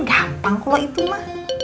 gampang kalau itu ma